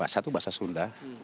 satu bahasa sunda